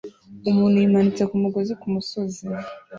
Umuntu yimanitse kumugozi kumusozi